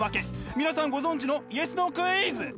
皆さんご存じのＹＥＳ・ＮＯクイズ！